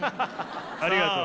ありがとう。